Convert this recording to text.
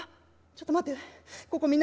ちょっと待ってよ